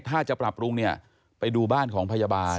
ถ้าจะปรับปรุงเนี่ยไปดูบ้านของพยาบาล